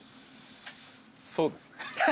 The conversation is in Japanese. そうです。